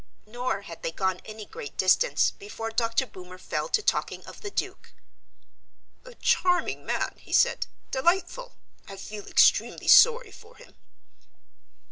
Nor had they gone any great distance before Dr. Boomer fell to talking of the Duke. "A charming man," he said, "delightful. I feel extremely sorry for him."